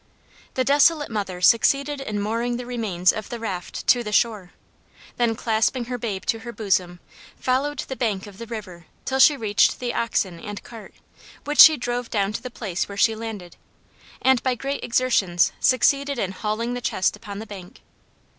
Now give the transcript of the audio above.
The desolate mother succeeded in mooring the remains of the raft to the shore; then clasping her babe to her bosom, followed the bank of the river till she reached the oxen and cart, which she drove down to the place where she landed, and by great exertions succeeded in hauling the chest upon the bank.